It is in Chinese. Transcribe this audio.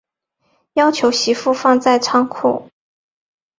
要求媳妇放在仓库